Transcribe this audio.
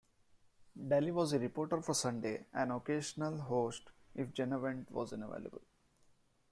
Dalley was a reporter for "Sunday", and occasional host if Jana Wendt was unavailable.